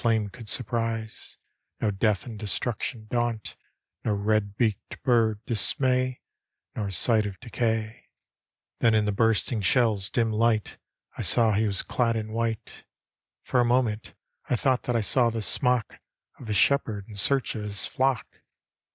ame could surprise, No death and destruction daunt, No red beaked bird dismay. Nor sight of decay. D,gt,, erihyGOOglC The White Comrade 35 Then in the bursting shelb' dim light I saw he was dad in white. For a moment I thought that I saw the smock Of a shepherd in search of his flock.